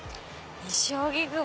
西荻窪